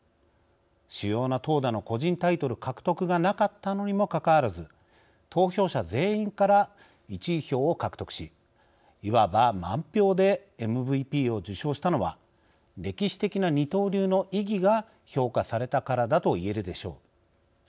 主要な投打の個人タイトル獲得がなかったのにもかかわらず投票者全員から１位票を獲得しいわば満票でＭＶＰを受賞したのは歴史的な二刀流の意義が評価されたからだといえるでしょう。